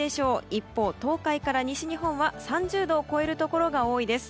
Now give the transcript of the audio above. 一方、東海から西日本は３０度を超えるところが多いです。